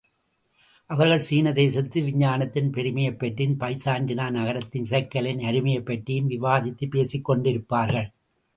அவர்கள், சீனதேசத்து விஞ்ஞானத்தின் பெருமையைப்பற்றியும் பைசான்டின நகரத்து இசைக்கலையின் அருமையைப் பற்றியும் விவாதித்துப் பேசிக் கொண்டிருப்பார்கள்.